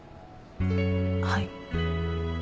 はい。